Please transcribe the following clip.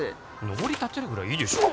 のぼり立てるぐらいいいでしょ